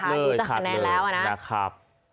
ดูจากคะแนนแล้วนะครับ